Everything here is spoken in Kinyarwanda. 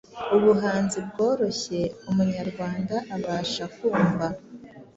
ubuhanzi bworoshye umunyarwanda abasha kumva